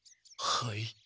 はい？